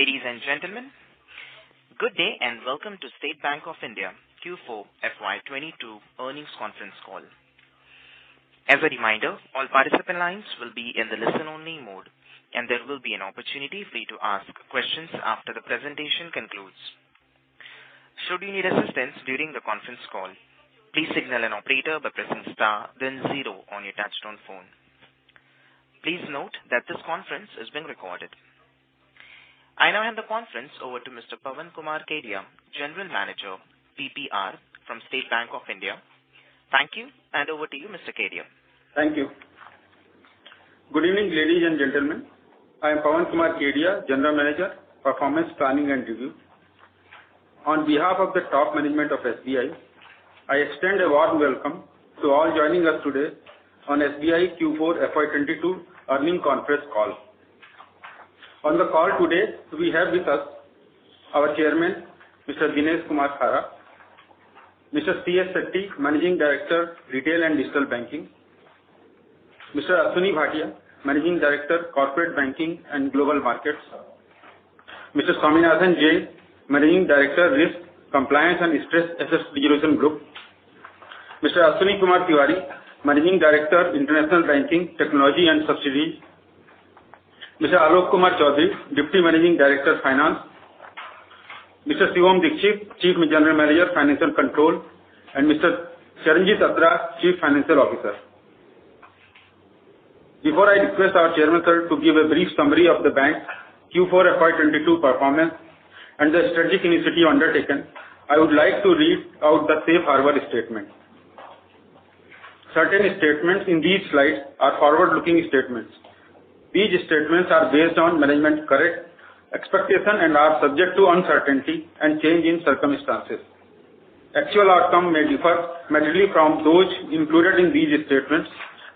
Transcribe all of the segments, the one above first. Ladies and gentlemen, good day, and welcome to State Bank of India Q4 FY 2022 earnings conference call. As a reminder, all participant lines will be in the listen only mode, and there will be an opportunity for you to ask questions after the presentation concludes. Should you need assistance during the conference call, please signal an operator by pressing star then zero on your touchtone phone. Please note that this conference is being recorded. I now hand the conference over to Mr. Pawan Kumar Kedia, General Manager, PPR from State Bank of India. Thank you, and over to you, Mr. Kedia. Thank you. Good evening, ladies and gentlemen. I am Pawan Kumar Kedia, General Manager, Performance, Planning and Review. On behalf of the top management of SBI, I extend a warm welcome to all joining us today on SBI Q4 FY22 earnings conference call. On the call today, we have with us our chairman, Mr. Dinesh Kumar Khara, Mr. C.S. Setty, Managing Director, Retail and Digital Banking, Mr. Ashwani Bhatia, Managing Director, Corporate Banking and Global Markets, Mr. Swaminathan J., Managing Director, Risk, Compliance and Stress Asset Resolution Group, Mr. Ashwini Kumar Tewari, Managing Director, International Banking, Technology and Subsidiaries, Mr. Alok Kumar Choudhary, Deputy Managing Director Finance, Mr. Shiva Om Dikshit, Chief General Manager, Financial Control, and Mr. Charanjit Attra, Chief Financial Officer. Before I request our Chairman, sir, to give a brief summary of the bank Q4 FY 2022 performance and the strategic initiative undertaken, I would like to read out the safe harbor statement. Certain statements in these slides are forward-looking statements. These statements are based on management's current expectation and are subject to uncertainty and change in circumstances. Actual outcome may differ materially from those included in these statements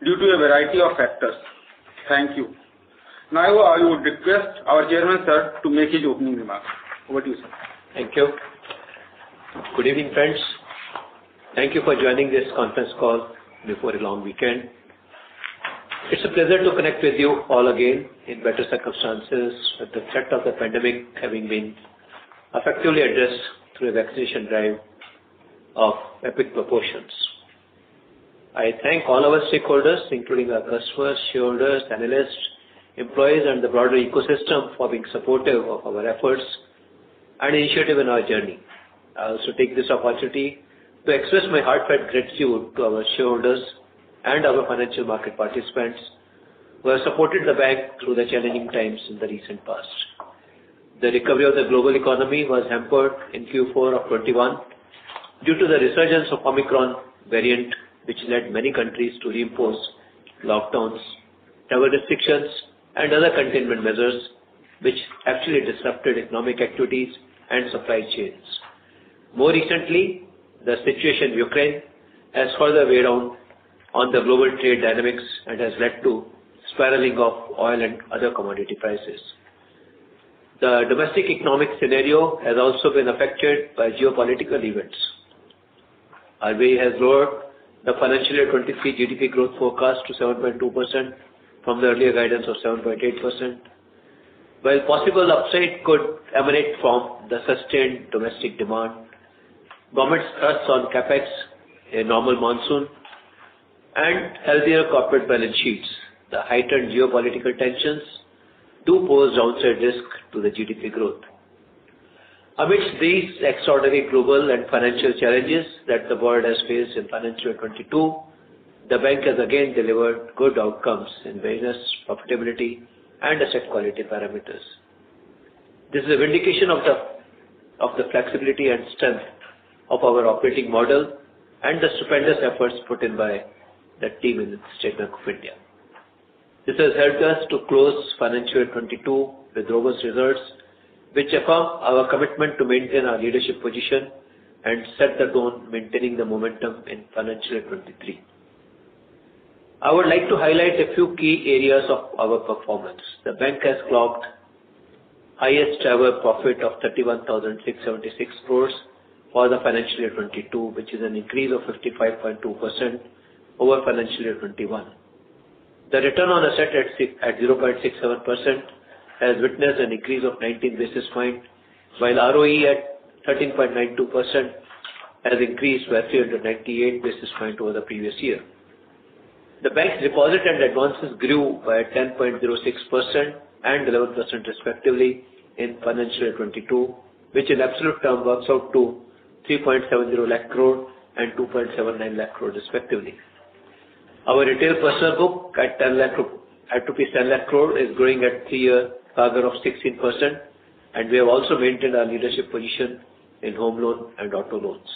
due to a variety of factors. Thank you. Now, I would request our Chairman, sir, to make his opening remarks. Over to you, sir. Thank you. Good evening, friends. Thank you for joining this conference call before a long weekend. It's a pleasure to connect with you all again in better circumstances, with the threat of the pandemic having been effectively addressed through a vaccination drive of epic proportions. I thank all our stakeholders, including our customers, shareholders, analysts, employees, and the broader ecosystem for being supportive of our efforts and initiative in our journey. I also take this opportunity to express my heartfelt gratitude to our shareholders and our financial market participants who have supported the bank through the challenging times in the recent past. The recovery of the global economy was hampered in Q4 of 2021 due to the resurgence of Omicron variant, which led many countries to re-impose lockdowns, travel restrictions, and other containment measures, which actually disrupted economic activities and supply chains. More recently, the situation in Ukraine has further weighed down on the global trade dynamics and has led to spiraling of oil and other commodity prices. The domestic economic scenario has also been affected by geopolitical events. RBI has lowered the financial year 2023 GDP growth forecast to 7.2% from the earlier guidance of 7.8%. While possible upside could emanate from the sustained domestic demand, government's thrust on CapEx, a normal monsoon, and healthier corporate balance sheets, the heightened geopolitical tensions do pose downside risk to the GDP growth. Amidst these extraordinary global and financial challenges that the world has faced in financial year 2022, the bank has again delivered good outcomes in various profitability and asset quality parameters. This is a vindication of the flexibility and strength of our operating model and the stupendous efforts put in by the team in State Bank of India. This has helped us to close financial year 2022 with robust results, which affirm our commitment to maintain our leadership position and set the tone maintaining the momentum in financial year 2023. I would like to highlight a few key areas of our performance. The bank has clocked highest ever profit of 31,676 crore for the financial year 2022, which is an increase of 55.2% over financial year 2021. The return on asset at 0.67% has witnessed an increase of 19 basis points, while ROE at 13.92% has increased by 398 basis points over the previous year. The bank's deposit and advances grew by 10.06% and 11% respectively in financial year 2022, which in absolute term works out to 3.70 lakh crore and 2.79 lakh crore respectively. Our retail personal book at 10 lakh crore is growing at three-year CAGR of 16%, and we have also maintained our leadership position in home loan and auto loans.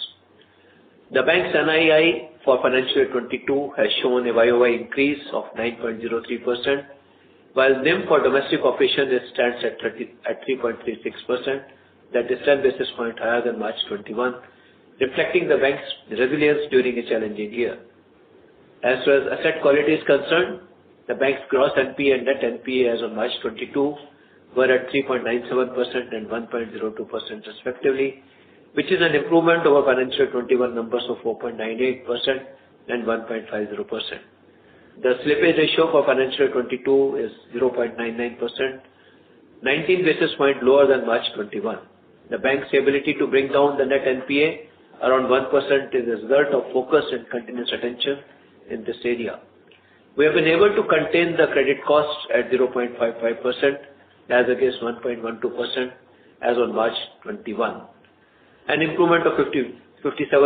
The bank's NII for financial year 2022 has shown a YOY increase of 9.03%, while NIM for domestic operation, it stands at 3.36%. That is 10 basis points higher than March 2021, reflecting the bank's resilience during a challenging year. As far as asset quality is concerned, the bank's gross NPA and net NPA as of March 2022 were at 3.97% and 1.02% respectively, which is an improvement over financial year 2021 numbers of 4.98% and 1.50%. The slippage ratio for financial 2022 is 0.99%, 19 basis points lower than March 2021. The bank's ability to bring down the net NPA around 1% is a result of focus and continuous attention in this area. We have been able to contain the credit costs at 0.55% as against 1.12% as on March 2021. An improvement of 57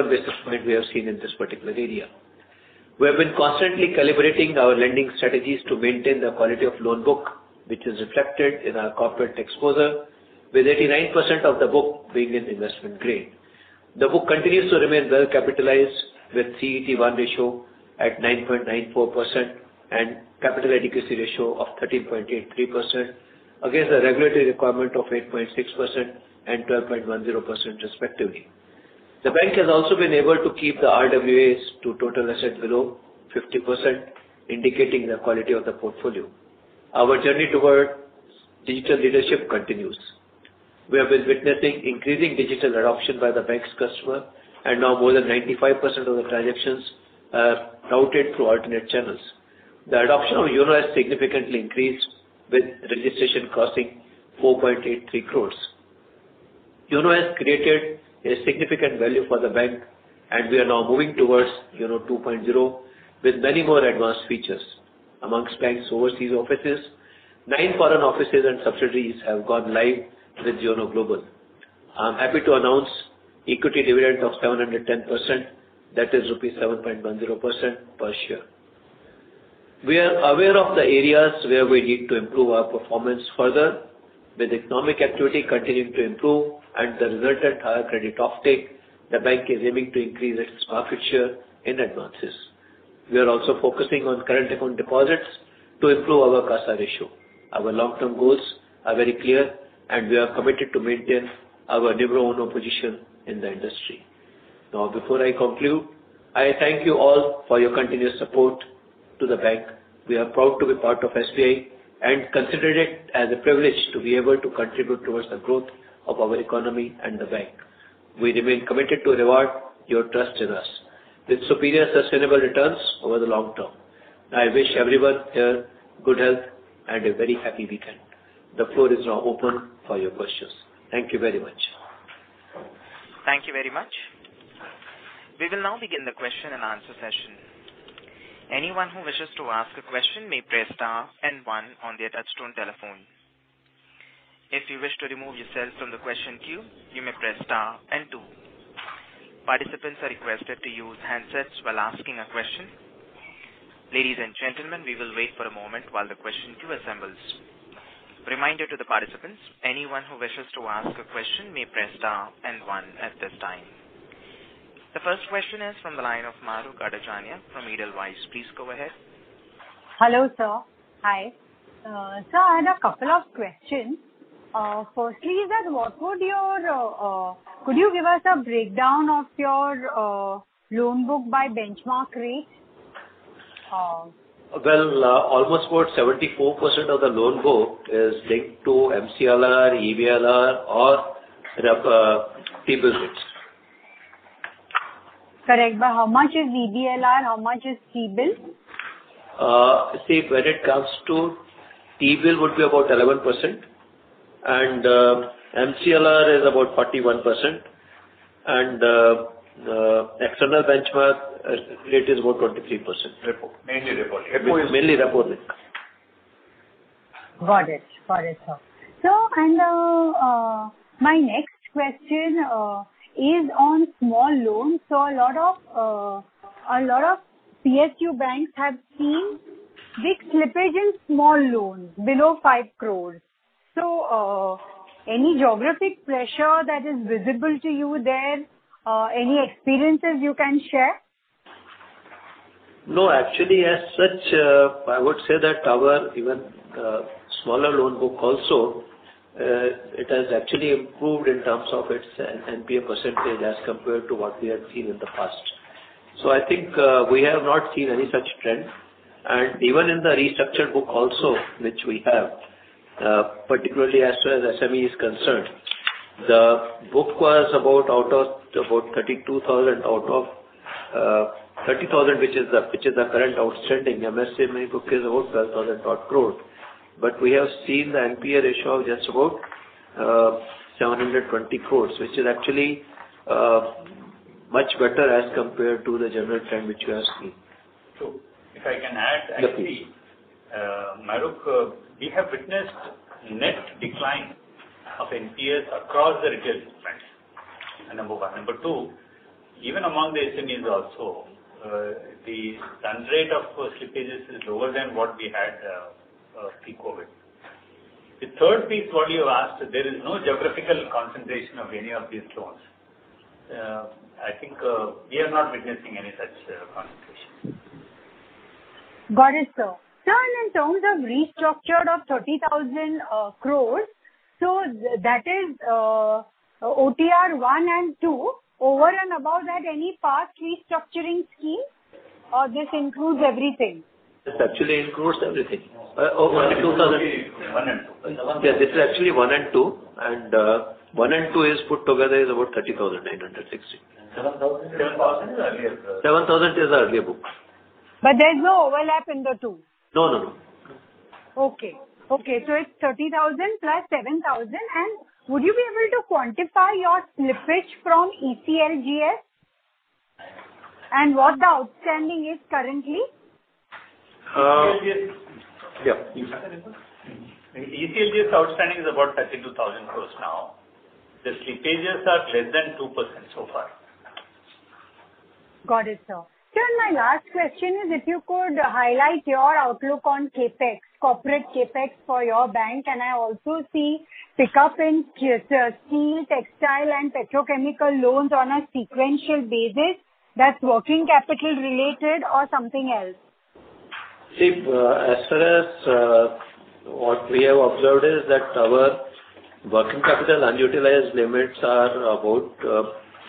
basis points we have seen in this particular area. We have been constantly calibrating our lending strategies to maintain the quality of loan book, which is reflected in our corporate exposure with 89% of the book being in investment grade. The book continues to remain well-capitalized with CET1 ratio at 9.94% and capital adequacy ratio of 13.83% against the regulatory requirement of 8.6% and 12.10% respectively. The bank has also been able to keep the RWAs to total asset below 50%, indicating the quality of the portfolio. Our journey towards digital leadership continues. We have been witnessing increasing digital adoption by the bank's customer and now more than 95% of the transactions are routed through alternate channels. The adoption of YONO has significantly increased with registration crossing 4.83 crore. YONO has created a significant value for the bank and we are now moving towards YONO 2.0 with many more advanced features. Amongst banks' overseas offices, nine foreign offices and subsidiaries have gone live with YONO Global. I'm happy to announce equity dividend of 710%, that is rupees 7.10 per share. We are aware of the areas where we need to improve our performance further. With economic activity continuing to improve and the resultant higher credit offtake, the bank is aiming to increase its market share in advances. We are also focusing on current account deposits to improve our CASA ratio. Our long-term goals are very clear, and we are committed to maintain our number one position in the industry. Now before I conclude, I thank you all for your continuous support to the bank. We are proud to be part of SBI and consider it as a privilege to be able to contribute towards the growth of our economy and the bank. We remain committed to reward your trust in us with superior sustainable returns over the long term. I wish everyone here good health and a very happy weekend. The floor is now open for your questions. Thank you very much. Thank you very much. We will now begin the question and answer session. Anyone who wishes to ask a question may press star and one on their touchtone telephone. If you wish to remove yourself from the question queue, you may press star and two. Participants are requested to use handsets while asking a question. Ladies and gentlemen, we will wait for a moment while the question queue assembles. Reminder to the participants, anyone who wishes to ask a question may press star and one at this time. The first question is from the line of Mahrukh Adajania from Edelweiss. Please go ahead. Hello, sir. Hi. Sir, I had a couple of questions. Could you give us a breakdown of your loan book by benchmark rate? Well, almost about 74% of the loan book is linked to MCLR, EBLR or T-bill rates. Correct. How much is EBLR and how much is T-bill? See, when it comes to T-bill would be about 11%, and external benchmark rate is about 23%. Repo. Mainly repo. Mainly repo rate. Got it, sir. My next question is on small loans. A lot of PSU banks have seen big slippage in small loans below 5 crore. Any geographic pressure that is visible to you there? Any experiences you can share? No, actually, as such, I would say that our even smaller loan book also it has actually improved in terms of its NPA percentage as compared to what we had seen in the past. I think we have not seen any such trend. Even in the restructured book also, which we have, particularly as far as SME is concerned, the book was about 32,000 out of 30,000, which is the current outstanding MSME book is about 12,000 crore. But we have seen the NPA ratio of just about 720 crore, which is actually much better as compared to the general trend which you have seen. If I can add. Yes, please. Actually, Mahrukh, we have witnessed net decline of NPAs across the retail banks, number one. Number two, even among the SMEs also, the run rate of slippages is lower than what we had, pre-COVID. The third piece what you asked, there is no geographical concentration of any of these loans. I think, we are not witnessing any such, concentration. Got it, sir. Sir, in terms of restructuring of 30,000 crore, so that is OTR 1 and 2. Over and above that, any past restructuring scheme or this includes everything? This actually includes everything. Over the two thousand- 1 and 2. Yeah, this is actually 1 and 2. 1 and 2 put together is about INR 30,960 crore. 7,000 crore is earlier. 7,000 crore is the earlier book. There's no overlap in the two? No, no. It's 30,000 crore + 7,000 crore. Would you be able to quantify your slippage from ECLGS? What the outstanding is currently? Uh... ECLGS. Yeah. ECLGS outstanding is about 32,000 crore now. The slippages are less than 2% so far. Got it, sir. Sir, my last question is if you could highlight your outlook on CapEx, corporate CapEx for your bank, and I also see pickup in steel, textile, and petrochemical loans on a sequential basis that's working capital related or something else? See, as far as what we have observed is that our working capital unutilized limits are about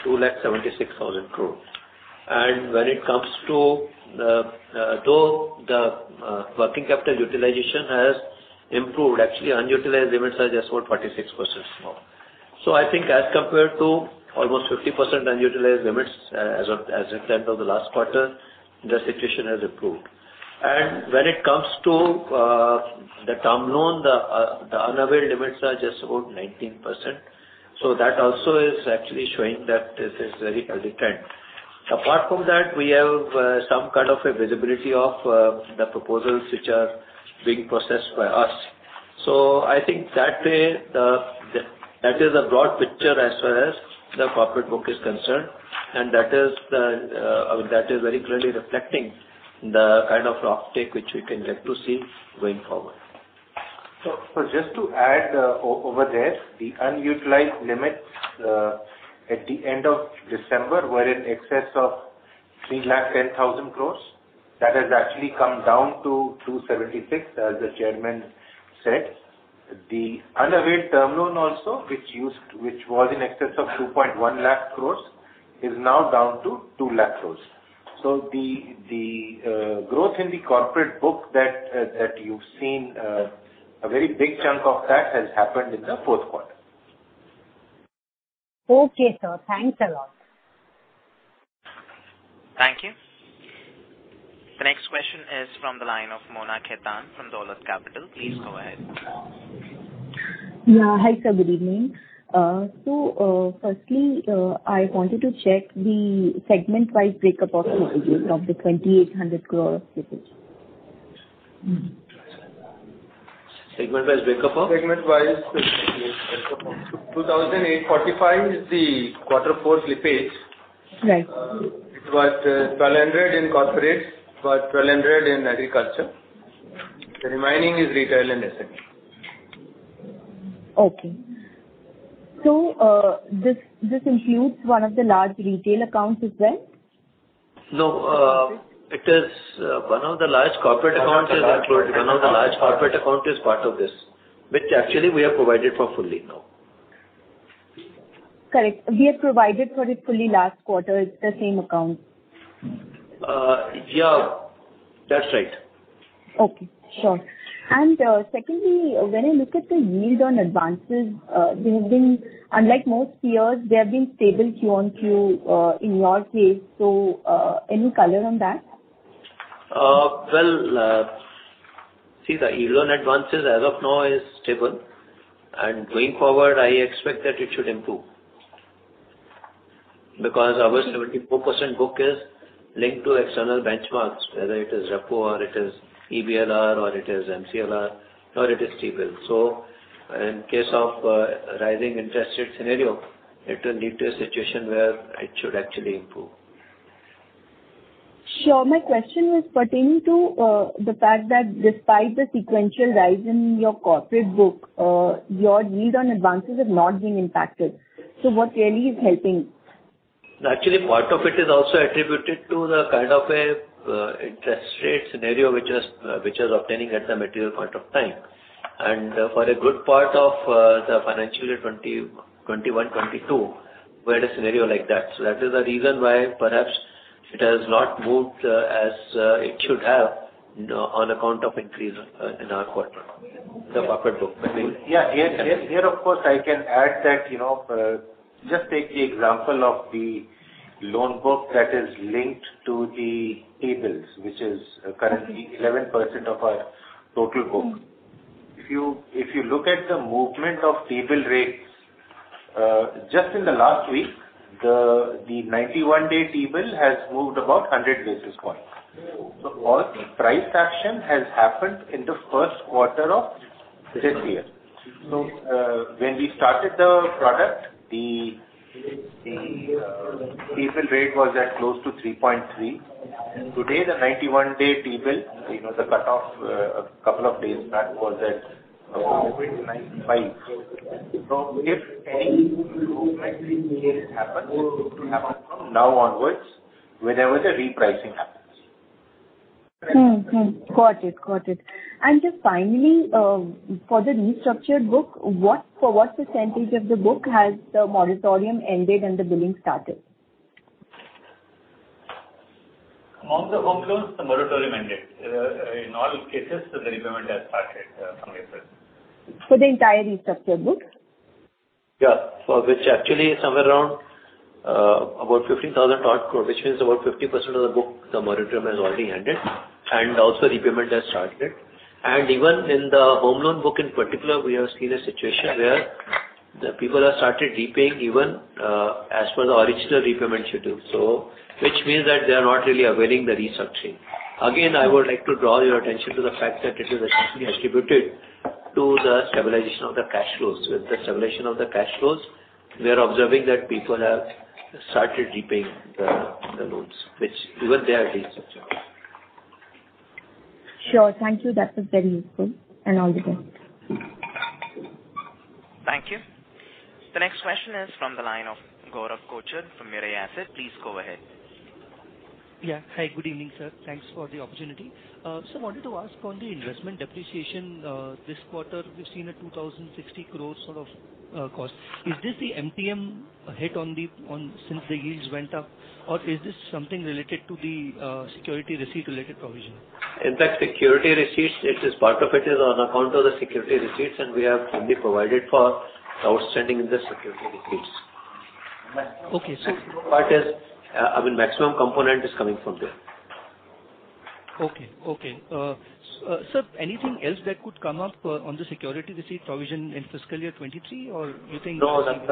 2,76,000 crore. When it comes to though the working capital utilization has improved, actually unutilized limits are just about 46% now. I think as compared to almost 50% unutilized limits as at the end of the last quarter, the situation has improved. When it comes to the term loan, the unavailed limits are just about 19%. That also is actually showing that this is very healthy trend. Apart from that, we have some kind of a visibility of the proposals which are being processed by us. I think that way, the That is a broad picture as far as the corporate book is concerned, and that is the, I mean, that is very clearly reflecting the kind of uptake which we can get to see going forward. Just to add, over there, the unutilized limits at the end of December were in excess of 3.10 lakh crore. That has actually come down to 2.76 lakh crore, as the chairman said. The unavailed term loan also, which was in excess of 2.1 lakh crore, is now down to 2 lakh crore. The growth in the corporate book that you've seen, a very big chunk of that has happened in the fourth quarter. Okay, sir. Thanks a lot. Thank you. The next question is from the line of Mona Khetan from Dolat Capital. Please go ahead. Hi, sir. Good evening. Firstly, I wanted to check the segment-wise break-up of the 2,800 crore slippage. Segment-wide breakup of? 2,845 crore is the quarter four slippage. Right. It was 1,200 crore in corporate, 1,200 crore in agriculture. The remaining is retail and SME. Okay. This includes one of the large retail accounts as well? No, it is one of the large corporate accounts is included. One of the large corporate account is part of this, which actually we have provided for fully now. Correct. We have provided for it fully last quarter. It's the same account. Yeah. That's right. Okay. Sure. Secondly, when I look at the yield on advances, they have been, unlike most peers, stable Q-on-Q in your case. Any color on that? The yield on advances as of now is stable. Going forward, I expect that it should improve because our 74% book is linked to external benchmarks, whether it is repo or it is EBLR or it is MCLR, or it is T-bill. In case of a rising interest rate scenario, it will lead to a situation where it should actually improve. Sure. My question was pertaining to the fact that despite the sequential rise in your corporate book, your yield on advances has not been impacted. What really is helping? Actually, part of it is also attributed to the kind of a interest rate scenario which is obtaining at the material point of time. For a good part of the financial year 2021-2022, we had a scenario like that. That is the reason why perhaps it has not moved as it should have, you know, on account of increase in our quarter. The corporate book. Here of course, I can add that, you know, just take the example of the loan book that is linked to the T-bills, which is currently 11% of our total book. If you look at the movement of T-bill rates just in the last week, the 91-day T-bill has moved about 100 basis points. All the price action has happened in the first quarter of this year. When we started the product, the T-bill rate was at close to 3.3%. Today, the 91-day T-bill, you know, the cutoff a couple of days back was at 5%. If any movement happens, it will happen from now onwards whenever the repricing happens. Mm-hmm. Got it. Just finally, for the restructured book, for what percentage of the book has the moratorium ended and the billing started? Among the home loans, the moratorium ended. In all cases, the repayment has started from April. For the entire restructured book? Yeah. Which actually is somewhere around about 15,000-odd crore, which means about 50% of the book, the moratorium has already ended, and also repayment has started. Even in the home loan book in particular, we have seen a situation where the people have started repaying even as per the original repayment schedule, so which means that they are not really availing the restructuring. Again, I would like to draw your attention to the fact that it is essentially attributed to the stabilization of the cash flows. With the stabilization of the cash flows, we are observing that people have started repaying the loans, which even they are Sure. Thank you. That was very useful. All the best. Thank you. The next question is from the line of Gaurav Kochar from Mirae Asset. Please go ahead. Yeah. Hi, good evening, sir. Thanks for the opportunity. Wanted to ask on the investment depreciation this quarter. We've seen a 2,060 crore sort of cost. Is this the MTM hit since the yields went up, or is this something related to the security receipt-related provision? In fact, security receipts, it is part of it on account of the security receipts, and we have only provided for outstanding in the security receipts. Okay, sir. I mean, maximum component is coming from there. Okay, sir, anything else that could come up on the security receipt provision in fiscal year 2023, or you think No, that has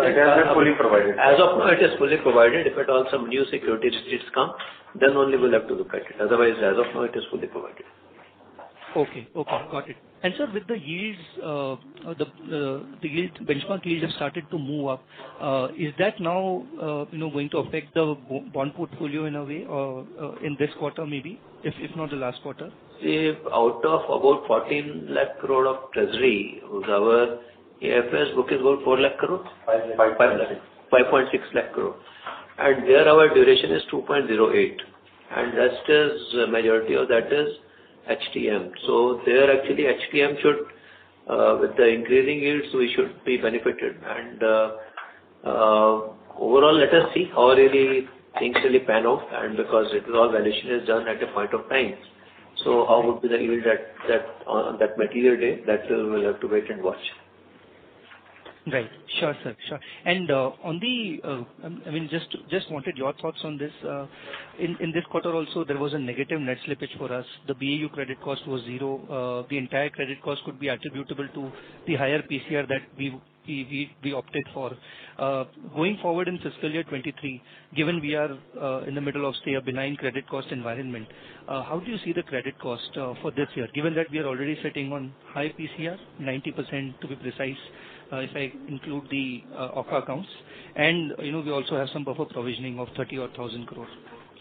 been fully provided. As of now, it is fully provided. If at all some new security receipts come, then only we'll have to look at it. Otherwise, as of now it is fully provided. Okay. Got it. Sir, with the yields, benchmark yields have started to move up. Is that now, you know, going to affect the bond portfolio in a way, in this quarter maybe, if not the last quarter? See, out of about 14 lakh crore of treasury, our AFS book is about 4 lakh crore? 5.6. 5.6 lakh crore. There our duration is 2.08, and majority of that is HTM. There actually HTM should with the increasing yields, we should be benefited. Overall, let us see how really things will pan out because it is all valuation is done at a point of time. How would be the yield at that material date that we'll have to wait and watch. Right. Sure, sir. On the, I mean, just wanted your thoughts on this. In this quarter also there was a negative net slippage for us. The BAU credit cost was zero. The entire credit cost could be attributable to the higher PCR that we opted for. Going forward in fiscal year 2023, given we are in the middle of, say, a benign credit cost environment, how do you see the credit cost for this year, given that we are already sitting on high PCR, 90% to be precise, if I include the AUCA accounts. You know, we also have some buffer provisioning of 30,000-odd crore.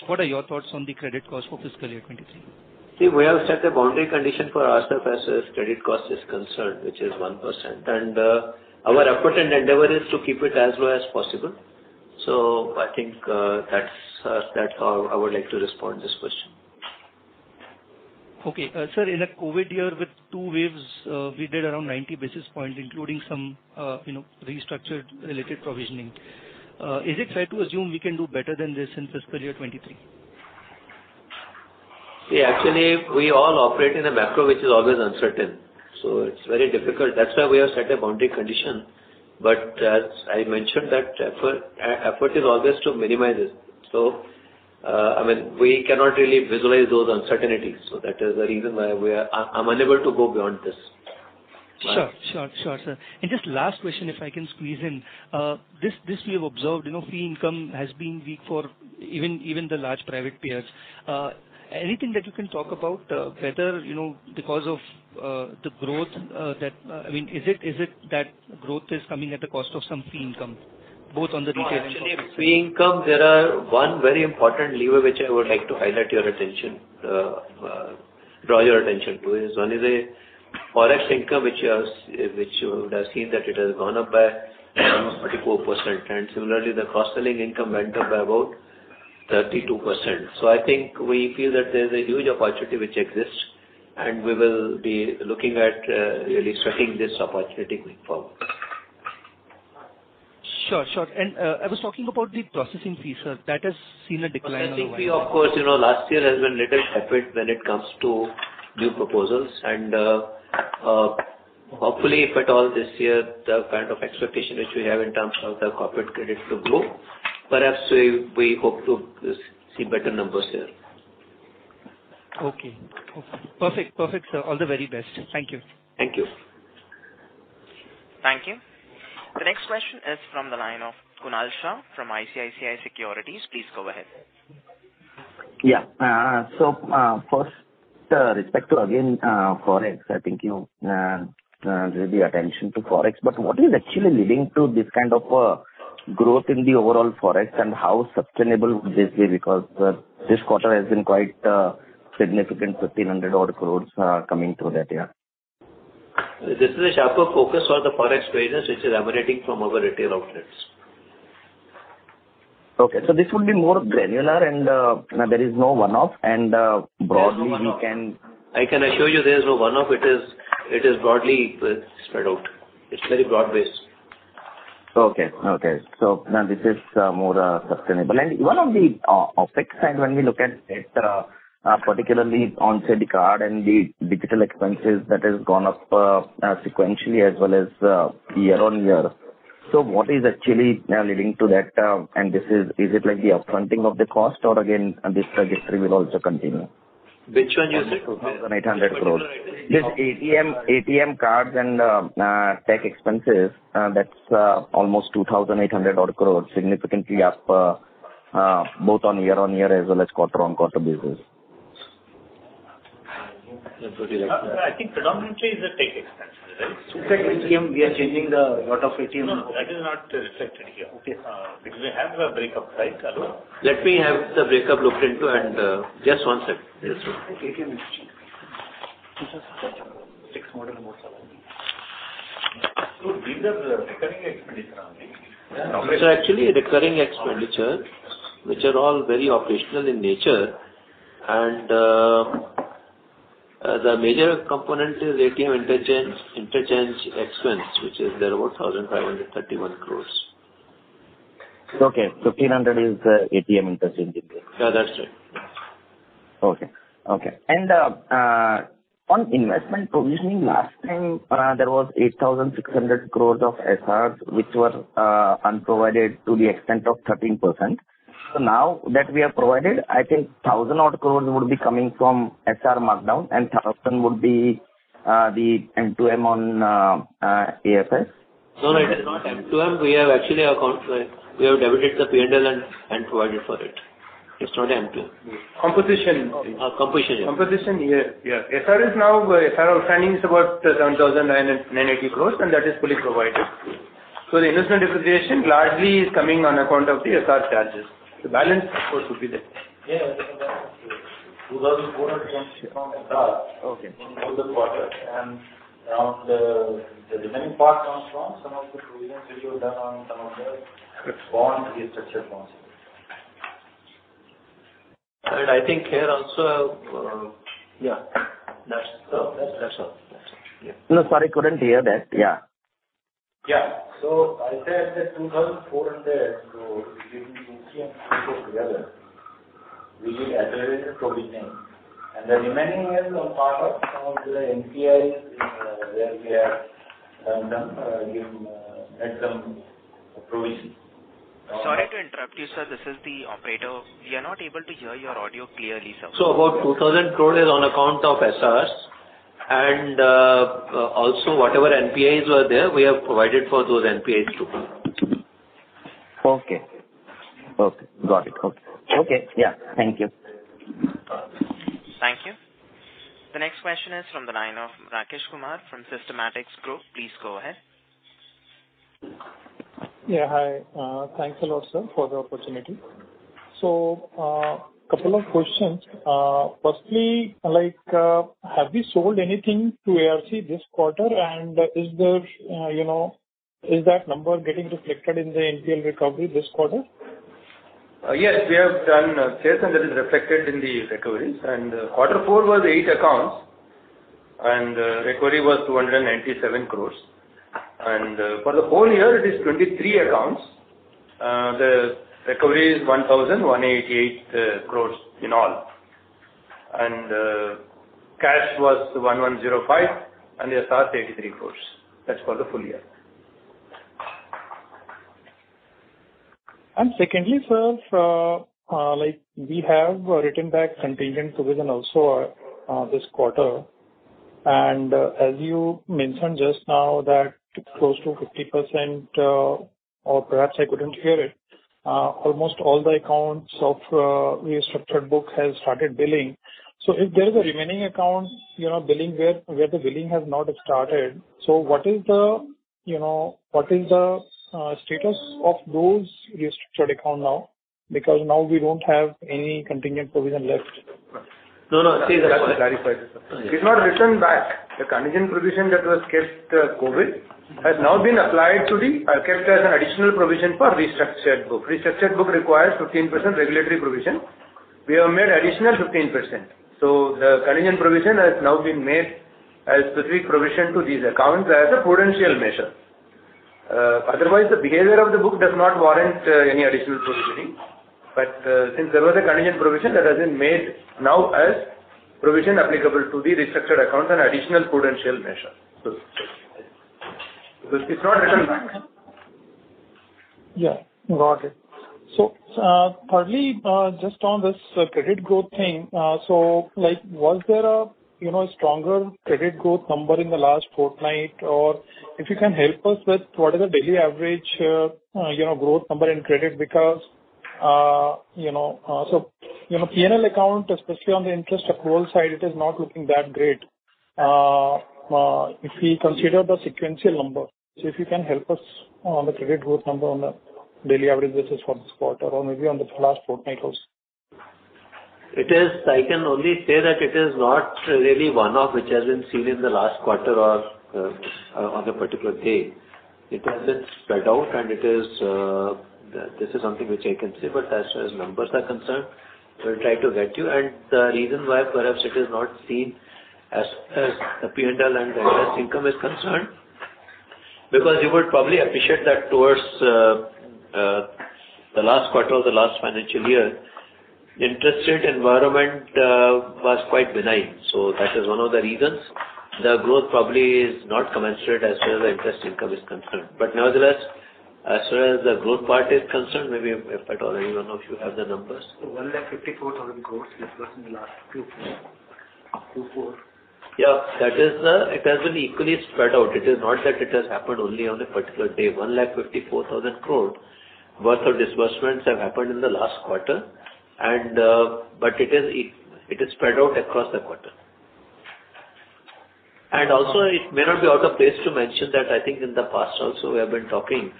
What are your thoughts on the credit cost for fiscal year 2023? See, we have set a boundary condition for ourselves as credit cost is concerned, which is 1%. Our effort and endeavor is to keep it as low as possible. I think, that's how I would like to respond to this question. Okay. Sir, in a COVID year with two waves, we did around 90 basis points, including some, you know, restructured related provisioning. Is it fair to assume we can do better than this in fiscal year 2023? Yeah. Actually, we all operate in a macro which is always uncertain, so it's very difficult. That's why we have set a boundary condition. As I mentioned, that effort is always to minimize it. I mean, we cannot really visualize those uncertainties, so that is the reason why I'm unable to go beyond this. Sure, sir. Just last question, if I can squeeze in. This we have observed, you know, fee income has been weak for even the large private peers. Anything that you can talk about, whether, you know, because of the growth, I mean, is it that growth is coming at the cost of some fee income, both on the retail and corporate side? No. In fee income, there is one very important lever which I would like to draw your attention to. One is Forex income which you would have seen that it has gone up by almost 44%. Similarly, the cross-selling income went up by about 32%. I think we feel that there is a huge opportunity which exists, and we will be looking at really sweating this opportunity going forward. Sure. I was talking about the processing fee, sir. That has seen a decline on a I think we, of course, you know, last year has been little tepid when it comes to new proposals, and hopefully if at all this year, the kind of expectation which we have in terms of the corporate credit to grow, perhaps we hope to see better numbers here. Okay. Perfect, sir. All the very best. Thank you. Thank you. Thank you. The next question is from the line of Kunal Shah from ICICI Securities. Please go ahead. First, with respect to Forex again, I think you drew the attention to Forex. What is actually leading to this kind of growth in the overall Forex and how sustainable would this be? Because this quarter has been quite significant, 1,500-odd crore coming through that area. This is a sharper focus on the Forex business which is emanating from our retail outlets. Okay. This would be more granular and, there is no one-off and, broadly we can- There is no one-off. I can assure you there is no one-off. It is broadly spread out. It's very broad-based. Okay. Now this is more sustainable. Even on the OpEx side, when we look at it, particularly on, say, the card and the digital expenses that has gone up sequentially as well as year-on-year. What is actually leading to that? Is it like the up-fronting of the cost or again, and this trajectory will also continue? Which one you said? 2,800 crore. This ATM cards and tech expenses, that's almost 2,800-odd crore, significantly up, both on year-on-year as well as quarter-on-quarter basis. I think predominantly is the tech expense, right? We are changing a lot of ATMs. No, that is not reflected here. Okay. Because we have the break up, right, Alo? Let me have the break up looked into and just one sec. Yes, sure. ATM has changed. Six model It's actually recurring expenditure, which are all very operational in nature. The major component is ATM interchange expense, which is thereabout 1,531 crore. Okay. 1,500 crore is the ATM interchange expense. Yeah, that's right. On investment provisioning, last time there was 8,600 crore of SRs which were unprovided to the extent of 13%. Now that we have provided, I think 1,000-odd crore would be coming from SR markdown, and 1,000 would be the MTM on AFS. No, it is not MTM. We have actually debited the P&L and provided for it. It's not MTM. Composition. Composition. Composition, yeah. SR outstanding is about 10,990 crore, and that is fully provided. The investment depreciation largely is coming on account of the SR charges. The balance, of course, would be there. Yeah. INR 2,400 crore came from SR- Okay. In the quarter. Around, the remaining part comes from some of the provisions which were done on some of the bond restructured bonds. All right. I think here also. Yeah. That's all. That's it. Yeah. No, sorry, couldn't hear that. Yeah. Yeah. I said that 2,400 crore between Q3 and Q4 together, we did accelerated provisioning. The remaining is on part of some of the NPAs in where we have made some provision. Sorry to interrupt you, sir. This is the operator. We are not able to hear your audio clearly, sir. About 2,000 crore is on account of SRs and also whatever NPAs were there, we have provided for those NPAs too. Okay. Got it. Yeah. Thank you. Thank you. The next question is from the line of Rakesh Kumar from Systematix Group. Please go ahead. Yeah, hi. Thanks a lot, sir, for the opportunity. Couple of questions. Firstly, like, have you sold anything to ARC this quarter? Is there, you know, is that number getting reflected in the NPA recovery this quarter? Yes, we have done sales and that is reflected in the recoveries. Quarter four was eight accounts, and recovery was 297 crore. For the whole year it is 23 accounts. The recovery is 1,188 crore in all. Cash was 1,105 crore, and the SRs, 83 crore. That's for the full year. Secondly, sir, like, we have written back contingent provision also, this quarter. As you mentioned just now, that close to 50%, or perhaps I couldn't hear it, almost all the accounts of restructured book has started billing. If there is a remaining account, you know, billing where the billing has not started, so what is the, you know, what is the status of those restructured account now? Because now we don't have any contingent provision left. No, no. Let me clarify this. It's not written back. The contingent provision that was kept, COVID, has now been kept as an additional provision for restructured book. Restructured book requires 15% regulatory provision. We have made additional 15%. The contingent provision has now been made as specific provision to these accounts as a prudential measure. Otherwise, the behavior of the book does not warrant any additional provisioning. But since there was a contingent provision that has been made now as provision applicable to the restructured accounts and additional prudential measure. It's not written back. Yeah. Got it. Probably, just on this credit growth thing, like, was there a stronger credit growth number in the last fortnight? Or if you can help us with what is the daily average growth number in credit because you know, P&L account, especially on the interest accrual side, it is not looking that great if we consider the sequential number. If you can help us on the credit growth number on a daily average basis for this quarter or maybe on the last fortnight also. I can only say that it is not really one-off, which has been seen in the last quarter or on a particular day. It has been spread out and it is, this is something which I can say. As far as numbers are concerned, we'll try to get you. The reason why perhaps it is not seen. As far as the P&L and the interest income is concerned, because you would probably appreciate that towards the last quarter of the last financial year, interest rate environment was quite benign. That is one of the reasons the growth probably is not commensurate as far as the interest income is concerned. Nevertheless, as far as the growth part is concerned, maybe if at all any one of you have the numbers. 1.54 lakh crore disbursed in the last Q4. Yeah. That is the. It has been equally spread out. It is not that it has happened only on a particular day. 1.54 lakh crore worth of disbursements have happened in the last quarter, but it is spread out across the quarter. It may not be out of place to mention that I think in the past also we have been talking,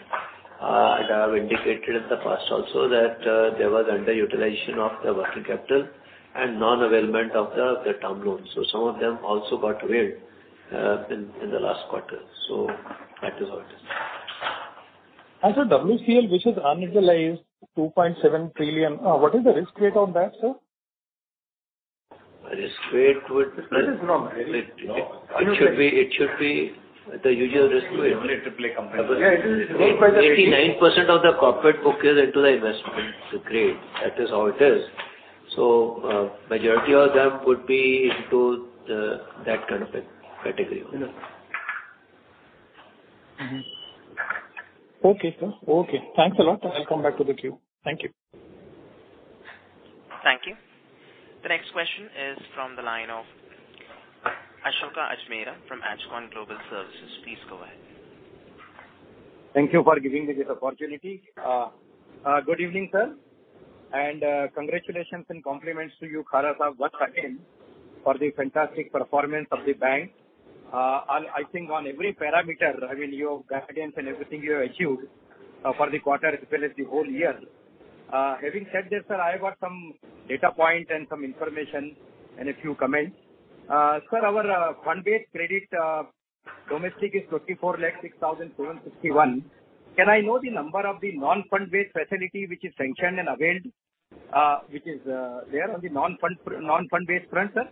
and I have indicated in the past also that there was underutilization of the working capital and non-availment of the term loans. Some of them also got availed in the last quarter. That is how it is. Sir, WCL which is unutilized 2.7 trillion, what is the risk rate on that, sir? Risk rate would- That is not really. It should be the usual risk rate. Only AAA companies. 89% of the corporate book is into the investment grade. That is how it is. Majority of them would be into that kind of a category. Mm-hmm. Okay, sir. Okay. Thanks a lot. I'll come back to the queue. Thank you. Thank you. The next question is from the line of Ashok Ajmera from Ajcon Global Services. Please go ahead. Thank you for giving me this opportunity. Good evening, sir, and congratulations and compliments to you, Khara, sir, once again for the fantastic performance of the bank. I think on every parameter, I mean, your guidance and everything you have achieved for the quarter as well as the whole year. Having said this, sir, I have got some data point and some information and a few comments. Sir, our fund-based credit domestic is 24,06,761 crore. Can I know the number of the non-fund-based facility which is sanctioned and availed, which is there on the non-fund-based front, sir?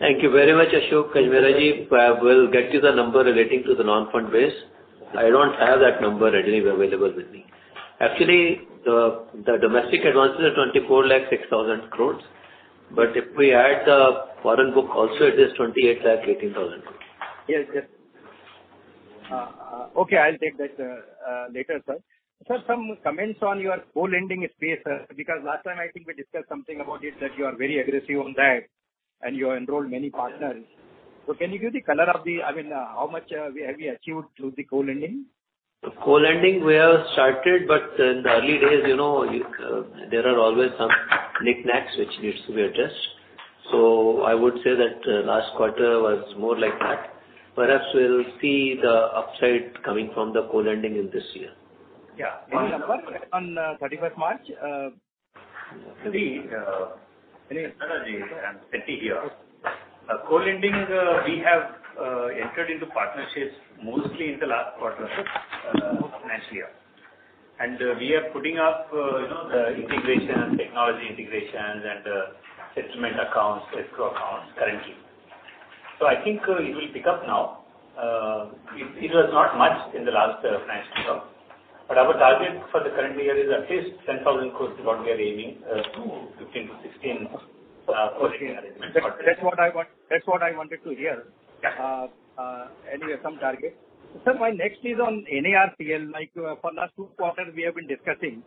Thank you very much, Ashok Ajmera ji. I will get you the number relating to the non-fund-based. I don't have that number readily available with me. Actually, the domestic advances are 24.06 lakh crore. If we add the foreign book also, it is 28.18 lakh crore. Yes, yes. Okay, I'll take that later, sir. Sir, some comments on your co-lending space, sir, because last time I think we discussed something about it that you are very aggressive on that and you have enrolled many partners. Can you give the color of the I mean, how much have we achieved through the co-lending? Co-lending, we have started, but in the early days, you know, there are always some knick-knacks which needs to be adjusted. So I would say that, last quarter was more like that. Perhaps we'll see the upside coming from the co-lending in this year. Yeah. Any number on 31st March. Sir, Ashok Ajmera ji, C.S. Setty here. Co-lending is, we have entered into partnerships mostly in the last quarter, financial year. We are putting up the integration, technology integrations and settlement accounts, escrow accounts currently. I think it will pick up now. It was not much in the last financial year. Our target for the current year is at least 10,000 crore is what we are aiming to 15-16 co-lending arrangements. That's what I want, that's what I wanted to hear. Yeah. Anyway, some target. Sir, my next is on NARCL. Like, for last two quarters we have been discussing,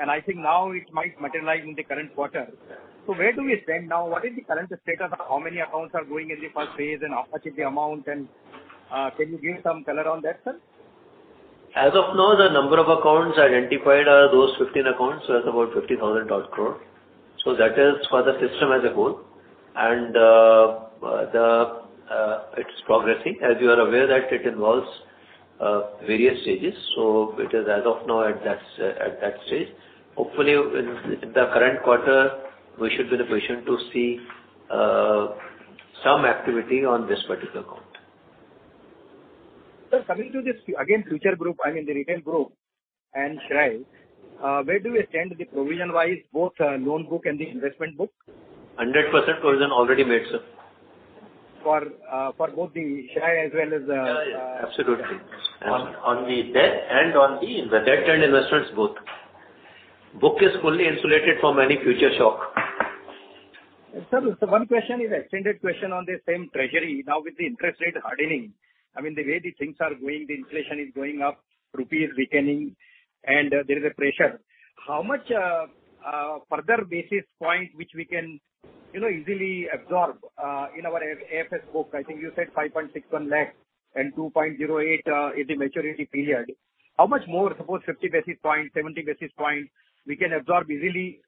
and I think now it might materialize in the current quarter. Yeah. Where do we stand now? What is the current status of how many accounts are going in the first phase and how much is the amount and, can you give some color on that, sir? As of now, the number of accounts identified are those 15 accounts, so that's about 50,000-odd crore. That is for the system as a whole. It's progressing. As you are aware that it involves various stages. It is as of now at that stage. Hopefully in the current quarter, we should be in a position to see some activity on this particular account. Sir, coming to this, again, Future Group, I mean the retail group and SREI, where do we stand provision wise, both, loan book and the investment book? 100% provision already made, sir. For both the SREI as well as the Yeah, yeah. Absolutely. On the debt and investments both. Book is fully insulated from any future shock. Sir, one question is extended question on the same treasury. Now with the interest rate hardening, I mean the way the things are going, the inflation is going up, rupee is weakening and there is a pressure. How much further basis point which we can, you know, easily absorb in our AFS book? I think you said 5.61 lakh crore and 2.08 is the maturity period. How much more, suppose 50 basis point, 70 basis point we can absorb easily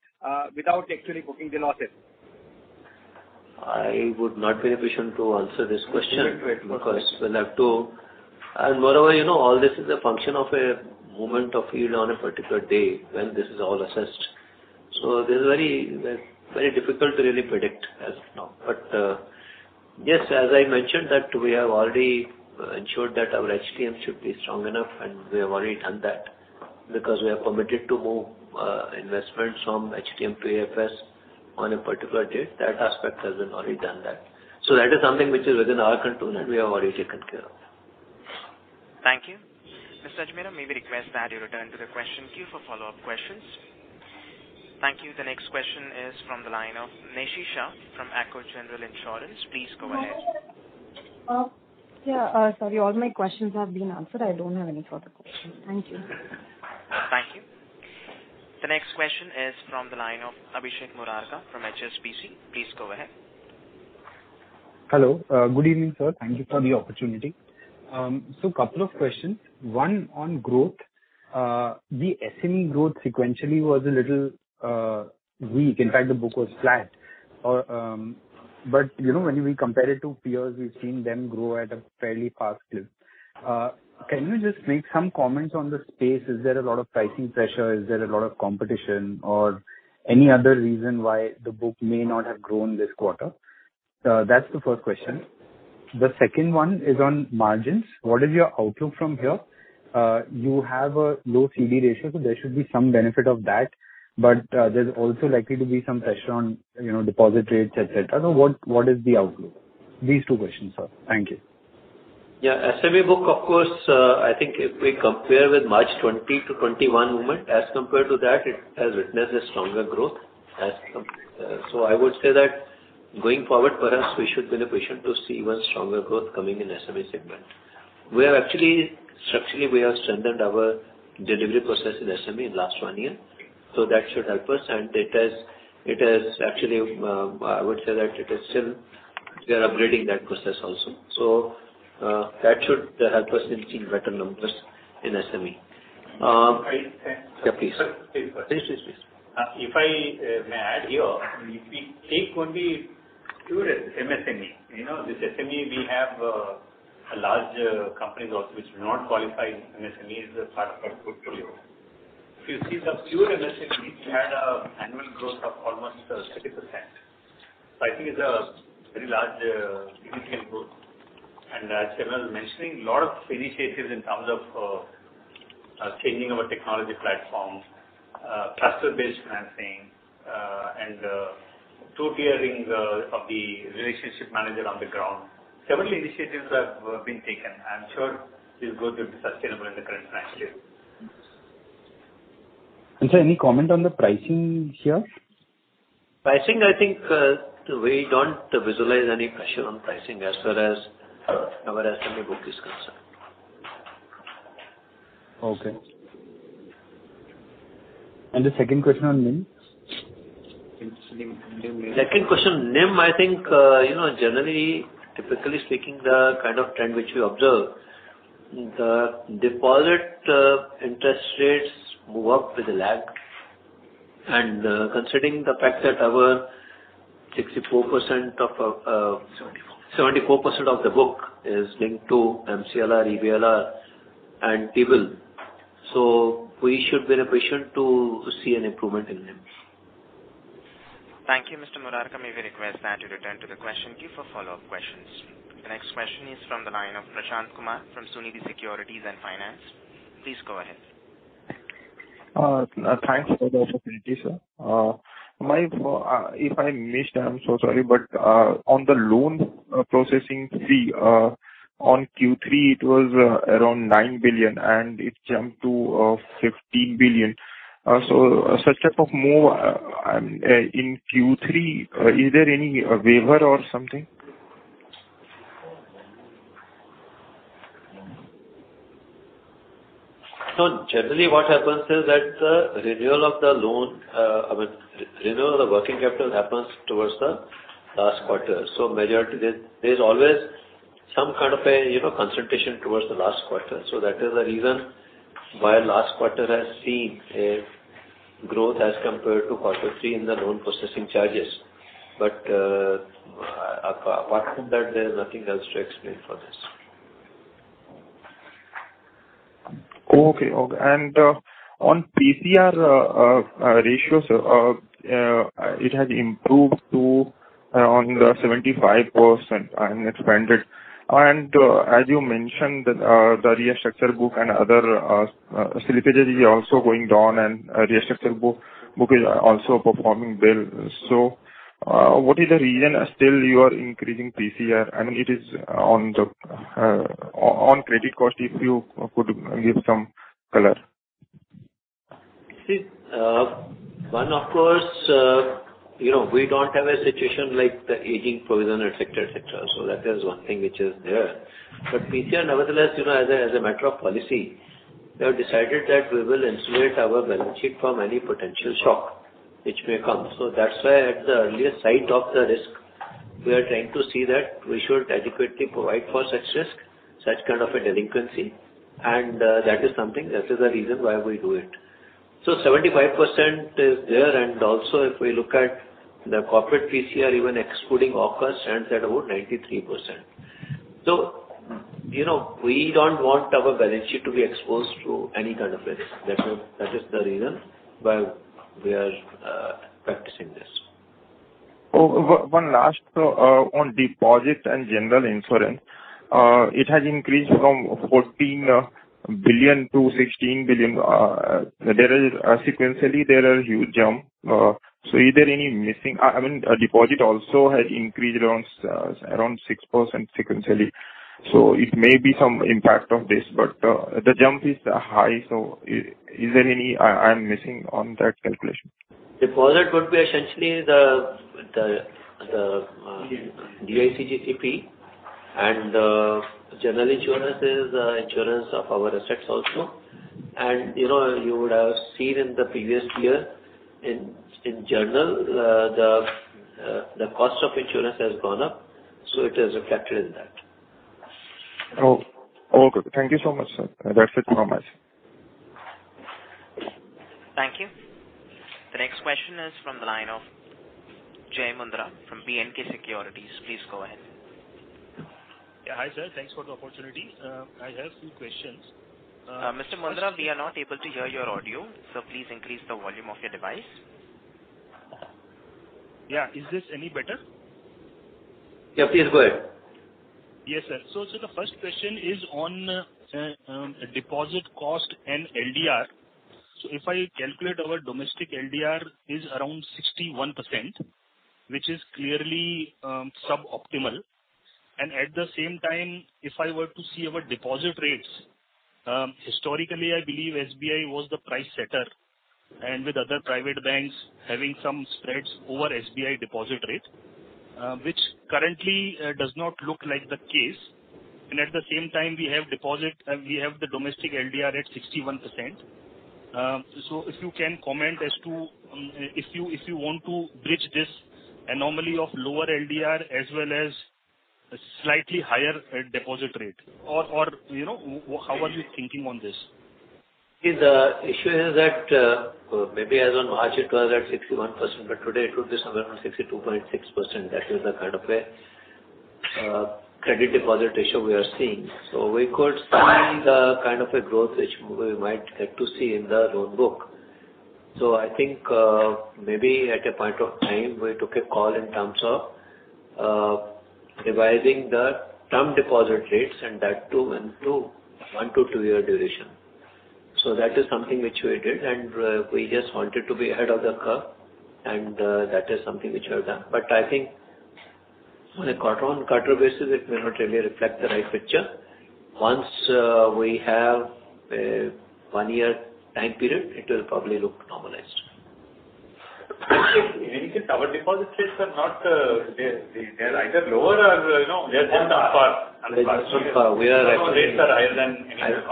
without actually booking the losses? I would not be in a position to answer this question. Wait, wait. Okay. Moreover, you know, all this is a function of a movement in yield on a particular day when this is all assessed. This is very, very difficult to really predict as of now. Yes, as I mentioned, we have already ensured that our HTM should be strong enough, and we have already done that because we are permitted to move investments from HTM to AFS on a particular date. That aspect we have already done that. That is something which is within our control and we have already taken care of. Thank you. Mr. Ajmera, may we request that you return to the question queue for follow-up questions. Thank you. The next question is from the line of Naishi Shah from Acko General Insurance. Please go ahead. Sorry, all my questions have been answered. I don't have any further questions. Thank you. Thank you. The next question is from the line of Abhishek Murarka from HSBC. Please go ahead. Hello. Good evening, sir. Thank you for the opportunity. Couple of questions. One on growth. The SME growth sequentially was a little weak. In fact, the book was flat, but you know, when we compare it to peers, we've seen them grow at a fairly fast clip. Can you just make some comments on the space? Is there a lot of pricing pressure? Is there a lot of competition or any other reason why the book may not have grown this quarter? That's the first question. The second one is on margins. What is your outlook from here? You have a low CD ratio, so there should be some benefit of that. There's also likely to be some pressure on, you know, deposit rates, et cetera. What is the outlook? These two questions, sir. Thank you. SME book, of course, I think if we compare with March 2020 to 2021 moment, as compared to that, it has witnessed a stronger growth. I would say that going forward, perhaps we should be in a position to see even stronger growth coming in SME segment. We are actually, structurally, we have strengthened our delivery process in SME in last one year, so that should help us. It has actually, I would say that it is still we are upgrading that process also. That should help us in seeing better numbers in SME. If I- Yeah, please. Sir, please. Please. If I may add here, if we take only pure MSME. You know, this SME we have, a large companies also which do not qualify MSME as a part of our portfolio. If you see the pure MSME, we had a annual growth of almost 30%. So I think it's a very large, significant growth. As Chairman was mentioning, lot of initiatives in terms of changing our technology platform, cluster-based financing, and two-tierings of the relationship manager on the ground. Several initiatives have been taken. I am sure this growth will be sustainable in the current financial year. Sir, any comment on the pricing here? Pricing, I think, we don't visualize any pressure on pricing as far as our SME book is concerned. Okay. The second question on NIM? Second question, NIM, I think, you know, generally, typically speaking, the kind of trend which we observe, the deposit interest rates move up with a lag. Considering the fact that our 64% of, 74. 74% of the book is linked to MCLR, EBLR and T-bill. We should be in a position to see an improvement in NIM. Thank you, Mr. Murarka. May we request that you return to the question queue for follow-up questions. The next question is from the line of Prashant Kumar from Sunidhi Securities & Finance. Please go ahead. Thanks for the opportunity, sir. If I missed, I'm so sorry, but on the loan processing fee on Q3 it was around 9 billion and it jumped to 15 billion. Such type of move in Q3, is there any waiver or something? No. Generally, what happens is that the renewal of the loan, I mean, renewal of the working capital happens towards the last quarter. Majority there's always some kind of a, you know, concentration towards the last quarter. That is the reason why last quarter has seen a growth as compared to quarter three in the loan processing charges. Apart from that, there's nothing else to explain for this. Okay. On PCR ratio, it has improved to 75% and expanded. As you mentioned that, the restructure book and other slippage is also going down and restructure book is also performing well. What is the reason still you are increasing PCR and it is on credit cost, if you could give some color? One of course, you know, we don't have a situation like the aging provision, et cetera, et cetera. That is one thing which is there. PCR, nevertheless, you know, as a matter of policy, we have decided that we will insulate our balance sheet from any potential shock which may come. That's why at the earliest sight of the risk, we are trying to see that we should adequately provide for such risk, such kind of a delinquency. That is something, that is the reason why we do it. 75% is there, and also if we look at the corporate PCR, even excluding AUCA, stands at over 93%. You know, we don't want our balance sheet to be exposed to any kind of risk. That is, that is the reason why we are practicing this. One last on deposits and general insurance. It has increased from 14 billion-16 billion. Sequentially, there is huge jump. Is there anything missing? I mean, deposit also has increased around 6% sequentially, so it may be some impact of this, but the jump is high, so is there anything I am missing on that calculation? Deposit would be essentially the DICGC fee and general insurance is insurance of our assets also. You know, you would have seen in the previous year in general the cost of insurance has gone up, so it is a factor in that. Oh. Okay. Thank you so much, sir. That's it from us. Thank you. The next question is from the line of Jai Mundra from B&K Securities. Please go ahead. Yeah. Hi, sir. Thanks for the opportunity. I have two questions. First- Mr. Mundra, we are not able to hear your audio, so please increase the volume of your device. Yeah. Is this any better? Yeah, please go ahead. Yes, sir. The first question is on deposit cost and LDR. If I calculate, our domestic LDR is around 61%, which is clearly suboptimal. At the same time, if I were to see our deposit rates, historically, I believe SBI was the price setter and with other private banks having some spreads over SBI deposit rate, which currently does not look like the case. At the same time we have deposit and we have the domestic LDR at 61%. If you can comment as to if you want to bridge this anomaly of lower LDR as well as slightly higher deposit rate or, you know, what, how are you thinking on this? The issue is that, maybe as on March it was at 61%, but today it would be somewhere around 62.6%. That is the kind of a credit-deposit ratio we are seeing. We could see the kind of a growth which we might get to see in the loan book. I think, maybe at a point of time we took a call in terms of revising the term deposit rates and that too in one to two year duration. That is something which we did, and we just wanted to be ahead of the curve and that is something which we have done. I think on a quarter-on-quarter basis, it may not really reflect the right picture. Once we have one year time period, it will probably look normalized. In any case our deposit rates are not, they're either lower or, you know, they're subpar. They're just subpar. Our rates are higher than any other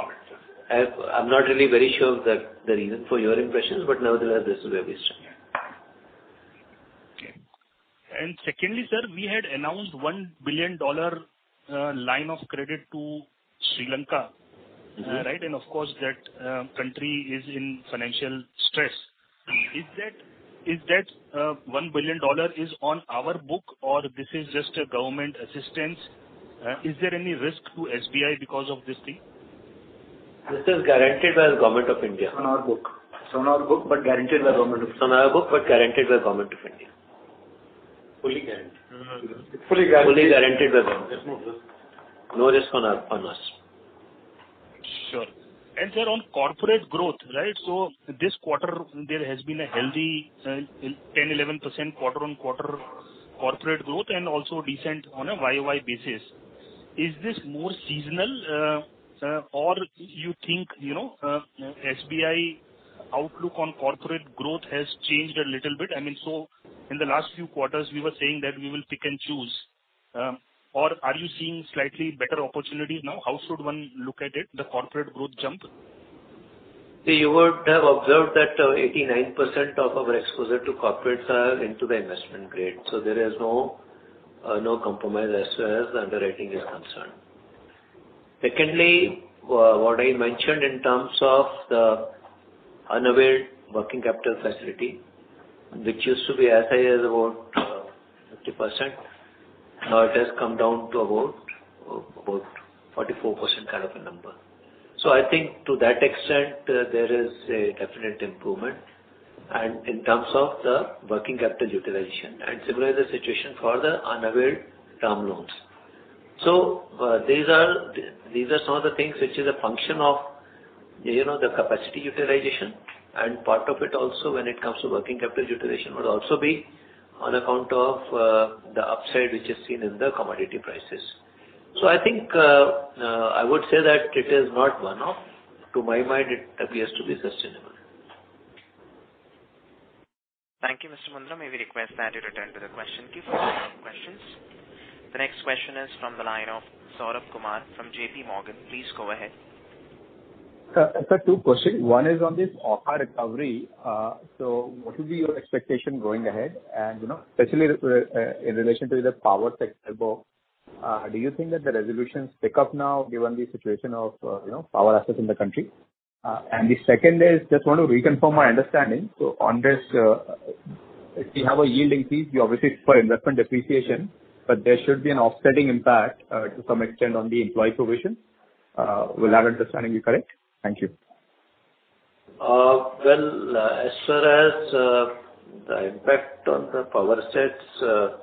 competitors. I'm not really very sure of the reason for your impressions, but nevertheless this is our position. Okay. Secondly, sir, we had announced $1 billion line of credit to Sri Lanka. Mm-hmm. Right? Of course that country is in financial stress. Is that $1 billion is on our book or this is just a government assistance? Is there any risk to SBI because of this thing? This is guaranteed by the government of India. It's on our book, but guaranteed by Government of India. It's on our book, but guaranteed by Government of India. Fully guaranteed. Fully guaranteed. Fully guaranteed by government. There's no risk. No risk on us. Sure. Sir, on corporate growth, right? This quarter there has been a healthy 10%-11% quarter-on-quarter corporate growth and also decent on a YoY basis. Is this more seasonal, or you think, you know, SBI outlook on corporate growth has changed a little bit? I mean, in the last few quarters we were saying that we will pick and choose. Or are you seeing slightly better opportunity now? How should one look at it, the corporate growth jump? See, you would have observed that 89% of our exposure to corporates are into the investment grade. There is no compromise as far as underwriting is concerned. Secondly, what I mentioned in terms of the unsecured working capital facility, which used to be as high as about 50%. Now it has come down to about 44% kind of a number. I think to that extent there is a definite improvement and in terms of the working capital utilization and similar situation for the unsecured term loans. These are some of the things which is a function of, you know, the capacity utilization and part of it also when it comes to working capital utilization would also be on account of the upside which is seen in the commodity prices. I think, I would say that it is not one-off. To my mind, it appears to be sustainable. Thank you, Mr. Mundra. May we request that you return to the question queue for your questions. The next question is from the line of Saurabh Kumar from JP Morgan. Please go ahead. Sir, two questions. One is on this AUCA recovery. What will be your expectation going ahead? You know, especially in relation to the power sector above, do you think that the resolutions pick up now given the situation of, you know, power assets in the country? The second is just want to reconfirm my understanding. On this, If you have a yielding fees, you obviously for investment depreciation, but there should be an offsetting impact, to some extent on the employee provision. Will our understanding be correct? Thank you. As far as the impact on the power sector,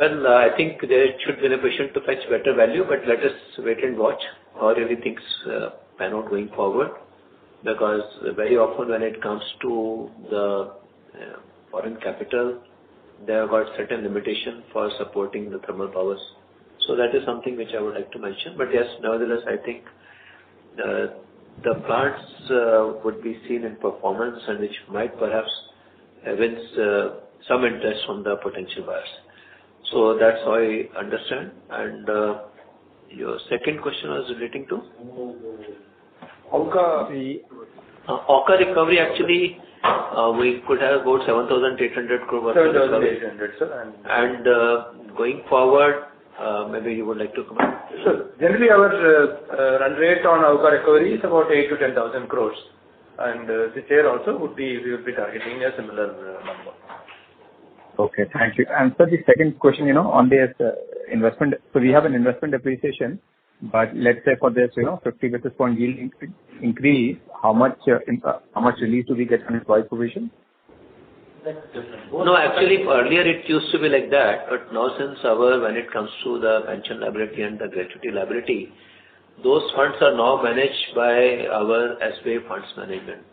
I think there should be an effort to fetch better value, but let us wait and watch how everything pans out going forward. Because very often when it comes to the foreign capital, they have got certain limitations for supporting the thermal power. So that is something which I would like to mention. But yes, nevertheless, I think the plants would be seen performing and which might perhaps evince some interest from the potential buyers. So that's how I understand. Your second question was relating to? AUCA AUCA recovery, actually, we could have about 7,800 crore worth of recovery. 7,800, sir. Going forward, maybe you would like to comment. Generally, our run rate on AUCA recovery is about 8,000-10,000 crore. This year also, we'll be targeting a similar number. Okay. Thank you. Sir, the second question, you know, on this investment. We have an investment depreciation, but let's say for this, you know, 50 basis point yield increase, how much relief do we get on employee provision? That's different. No, actually, earlier it used to be like that. Now since our when it comes to the pension liability and the gratuity liability, those funds are now managed by our SBI Funds Management.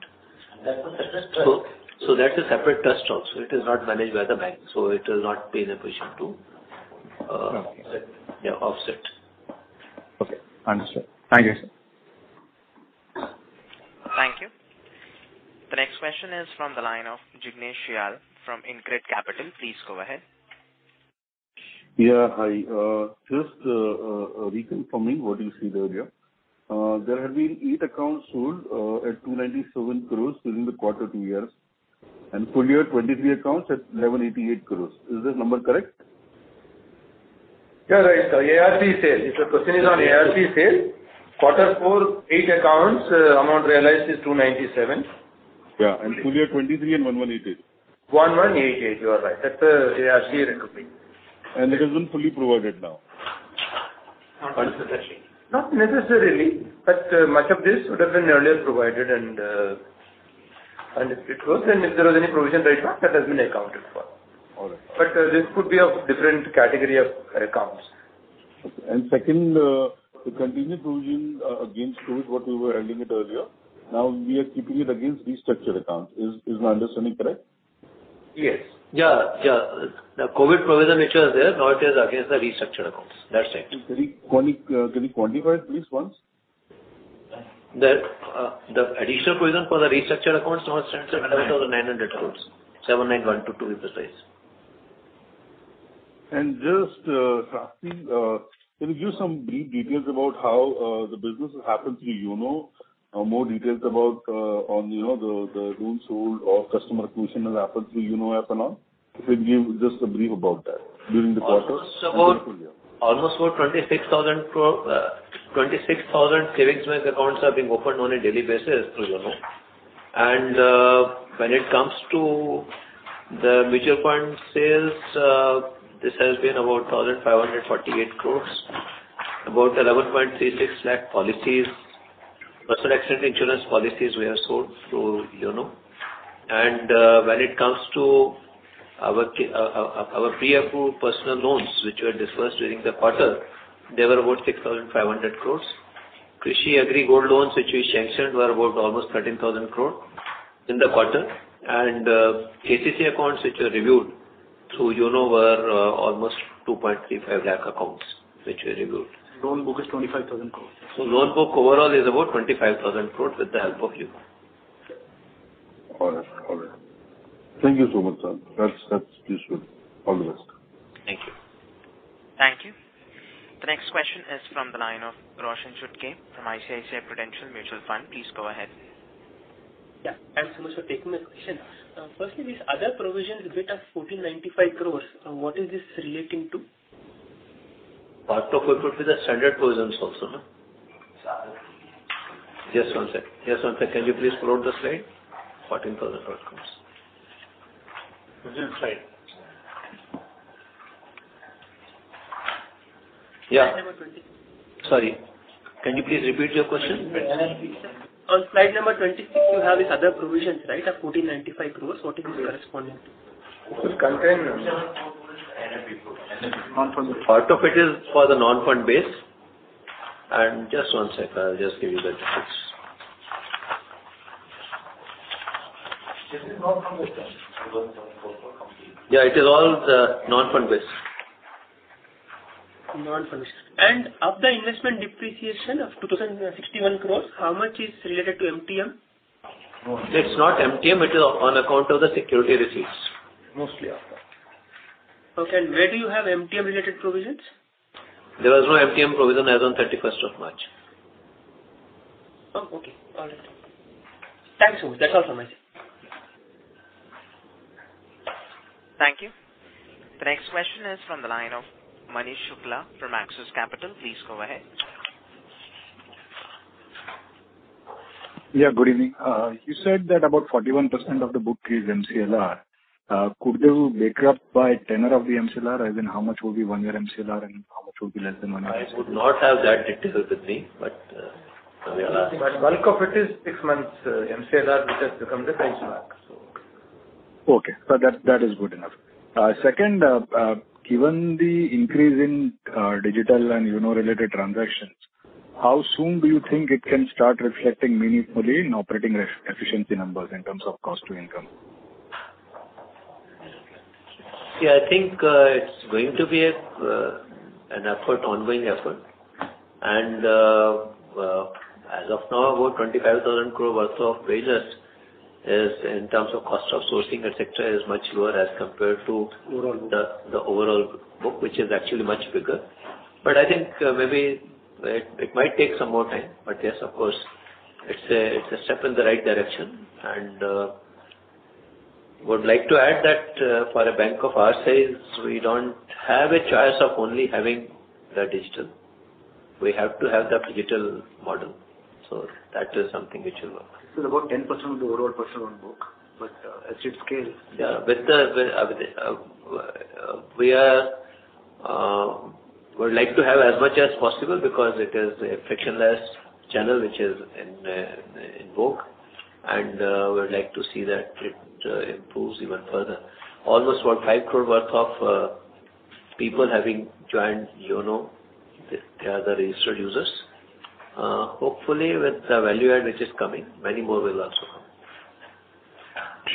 That was a trust. That's a separate trust also. It is not managed by the bank, so it will not be in a position to. Okay. Yeah, offset. Okay. Understood. Thank you, sir. Thank you. The next question is from the line of Jignesh Shial from InCred Capital. Please go ahead. Yeah. Hi. Just reconfirming what you said earlier. There have been eight accounts sold at 297 crore during quarter two years, and full year 23 accounts at 1,188 crore. Is this number correct? Yeah, right. ARC sale. If your question is on ARC sale, quarter four, eight accounts, amount realized is 297 crore. Yeah. Full year 2023 and 1,188 crore. 1,188. You are right. That's the ARC recovery. It has been fully provided now. Not necessarily. Not necessarily, but much of this would have been earlier provided and if it was, and if there was any provision right now, that has been accounted for. All right. This could be of different category of accounts. Okay. Second, the continued provision against COVID, what we were adding it earlier, now we are keeping it against restructured accounts. Is my understanding correct? Yes. Yeah. The COVID provision which was there, now it is against the restructured accounts. That's it. Can you quantify please once? The additional provision for the restructured accounts now stands at 7,900 crore. 79,122 crore to be precise. Just, can you give some brief details about how the business has happened through YONO? More details about, on, you know, the loans sold or customer acquisition has happened through YONO app and all. If you give just a brief about that during the quarter. Almost about 26,000 savings bank accounts are being opened on a daily basis through YONO. When it comes to the mutual fund sales, this has been about 1,548 crore. About 11.36 lakh personal accident insurance policies we have sold through YONO. When it comes to our pre-approved personal loans which were disbursed during the quarter, they were about 6,500 crore. Krishi Gold loans which we sanctioned were about almost 13,000 crore in the quarter. OCC accounts which were reviewed through YONO were almost 2.35 lakh accounts which we reviewed. Loan book is 25,000 crore. Loan book overall is about 25,000 crore with the help of YONO. All right. Thank you so much, sir. That's useful. All the best. Thank you. Thank you. The next question is from the line of Roshan Chutkey from ICICI Prudential Mutual Fund. Please go ahead. Yeah. Thanks so much for taking the question. Firstly, this other provision bit of 1,495 crore, what is this relating to? Part of it would be the standard provisions also, no? Just one sec. Can you please pull out the slide? INR 1,49 crore. Which slide? Yeah. Slide number 26. Sorry. Can you please repeat your question? On slide number 26, you have this other provisions, right, of 1,495 crore. What is this corresponding to? It's contained. Part of it is for the non-fund based. Just one sec, I'll just give you the details. This is non-fund based. Yeah, it is all, non-fund based. Non-fund based. Of the investment depreciation of 2,061 crore, how much is related to MTM? It's not MTM. It is on account of the security receipts. Mostly of that. Okay. Where do you have MTM related provisions? There was no MTM provision as on 31st of March. Oh, okay. All right. Thanks so much. That's all from my side. Thank you. The next question is from the line of Manish Shukla from Axis Capital. Please go ahead. Yeah, good evening. You said that about 41% of the book is MCLR. Could you break up by tenure of the MCLR? As in how much will be one-year MCLR and how much will be less than one-year MCLR? I would not have that detail with me, but bulk of it is six months MCLR, which has become the benchmark. Okay. That is good enough. Second, given the increase in digital and, you know, related transactions, how soon do you think it can start reflecting meaningfully in operating efficiency numbers in terms of cost to income? Yeah, I think it's going to be an ongoing effort. As of now, about 25,000 crore worth of business is in terms of cost of sourcing, et cetera, is much lower as compared to- Overall book. The overall book, which is actually much bigger. I think maybe it might take some more time. Yes, of course, it's a step in the right direction. Would like to add that for a bank of our size, we don't have a choice of only having the digital. We have to have the digital model, so that is something which will work. It's about 10% of the overall personal loan book, but as it scales. Yeah. We would like to have as much as possible because it is a frictionless channel which is in vogue, and we would like to see that it improves even further. Almost about 5 crore worth of people having joined YONO. They are the registered users. Hopefully with the value add which is coming, many more will also come.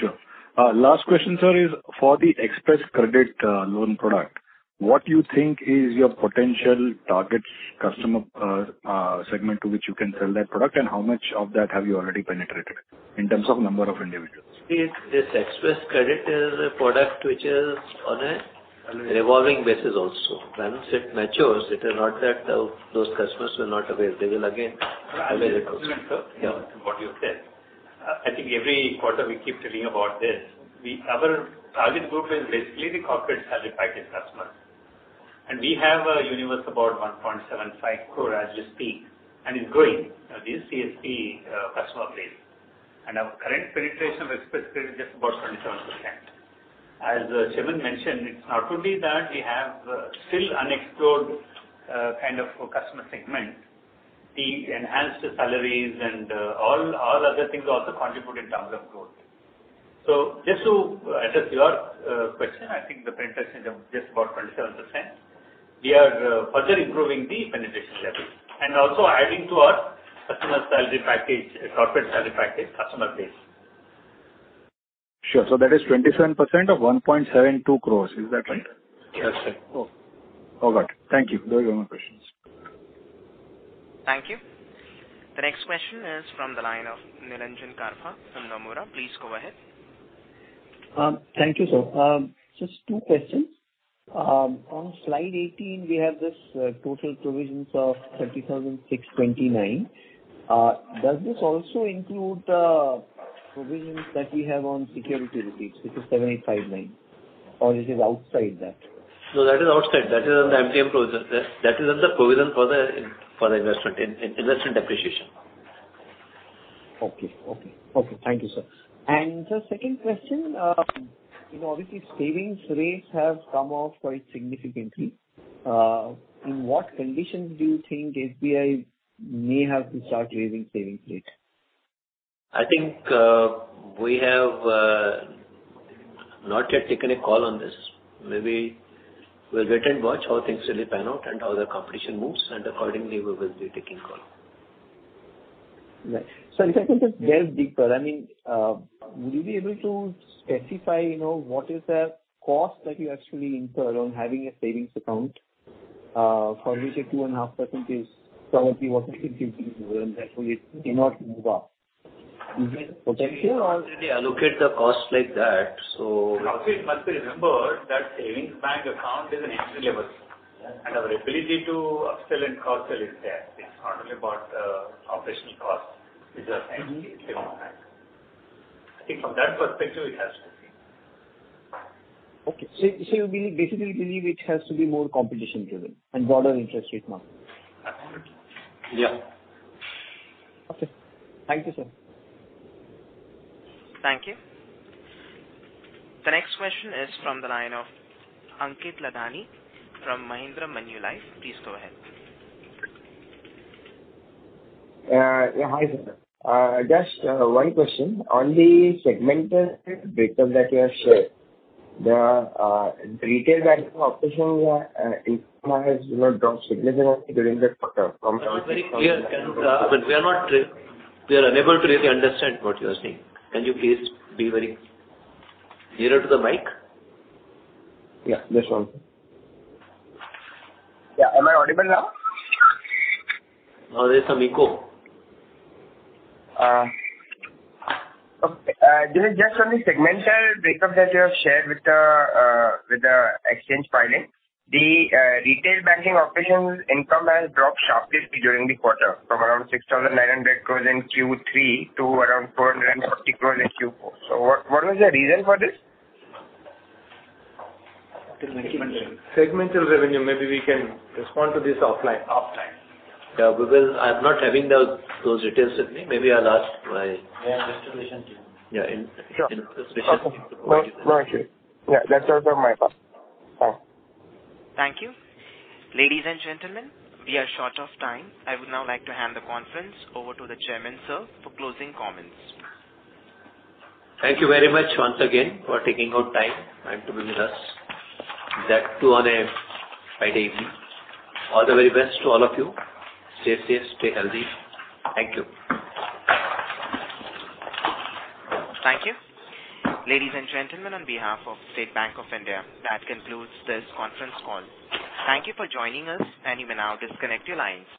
Sure. Last question, sir, is for the Xpress Credit loan product, what do you think is your potential target customer segment to which you can sell that product and how much of that have you already penetrated in terms of number of individuals? This Xpress Credit is a product which is on a revolving basis also. Once it matures, it is not that, those customers will not avail. They will again avail it. Sir, just to supplement, sir, what you said. I think every quarter we keep telling about this. Our target group is basically the corporate salary package customers. We have a universe about 1.75 crore as we speak, and it's growing, this CSP customer base. Our current penetration with Xpress Credit is just about 27%. As Chairman mentioned, it's not only that we have still unexplored kind of a customer segment. The enhanced salaries and all other things also contribute in terms of growth. Just to address your question, I think the penetration is just about 27%. We are further improving the penetration level and also adding to our corporate salary package customer base. That is 27% of 1.72 crore. Is that right? Yes, sir. Oh. All right. Thank you. Those are my questions. Thank you. The next question is from the line of Nilanjan Karfa from Nomura. Please go ahead. Thank you, sir. Just two questions. On slide 18, we have this total provisions of 30,629 crore. Does this also include provisions that we have on security receipts, which is 7,859 crore or it is outside that? No, that is outside. That is on the NPA provisions. That is on the provision for the investment in investment depreciation. Okay. Thank you, sir. The second question, you know, obviously savings rates have come off quite significantly. In what conditions do you think SBI may have to start raising savings rates? I think, we have not yet taken a call on this. Maybe we'll wait and watch how things really pan out and how the competition moves, and accordingly we will be taking call. Right. Sir, if I can just delve deeper. I mean, would you be able to specify, you know, what is the cost that you actually incur on having a savings account, for which a 2.5% is probably what it is giving you, and therefore it cannot move up. Is there a potential- We already allocate the cost like that. You also must remember that savings bank account is an entry level. Yes. Our ability to upsell and cross-sell is there. It's not only about operational cost. It's an entry gate to our bank. I think from that perspective, it has to be. Okay. You basically believe it has to be more competition driven and broader interest rate market. Absolutely. Yeah. Okay. Thank you, sir. Thank you. The next question is from the line of Ankit Laddha from Mahindra Manulife. Please go ahead. Yeah. Hi, sir. Just one question. On the segmented breakup that you have shared, the retail banking operations income has, you know, dropped significantly during the quarter from- I'm not very clear. We are unable to really understand what you are saying. Can you please be very nearer to the mic? Yeah, that's fine. Yeah. Am I audible now? No, there's some echo. Okay. This is just on the segmental breakup that you have shared with the exchange filing. The retail banking operations income has dropped sharply during the quarter from around 6,900 crore in Q3 to around 4,040 crore in Q4. What was the reason for this? Segmental revenue. Segmental revenue. Maybe we can respond to this offline. Offline. Because I'm not having those details with me. Maybe I'll ask my- We have distribution team. Yeah. In the- Sure. Okay. No, no issue. Yeah. That's also my fault. Thank you. Ladies and gentlemen, we are short of time. I would now like to hand the conference over to the Chairman, sir, for closing comments. Thank you very much once again for taking out time to be with us. That too on a Friday evening. All the very best to all of you. Stay safe. Stay healthy. Thank you. Thank you. Ladies and gentlemen, on behalf of State Bank of India, that concludes this conference call. Thank you for joining us. You may now disconnect your lines.